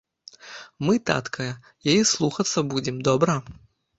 Мы, татка, яе слухацца будзем, добра?